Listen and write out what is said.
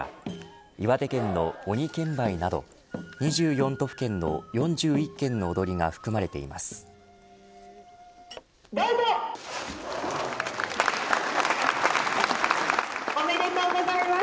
岩手県の鬼剣舞など２４都府県の４１件の踊りが含まれています。